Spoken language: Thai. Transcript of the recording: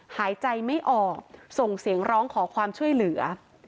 หายใจไม่ออกส่งเสียงร้องขอความช่วยเหลือ